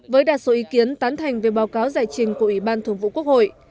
với đa số ý kiến tán thành về báo cáo giải trình của ủy ban thường vụ quốc hội